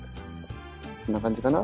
こんな感じかな？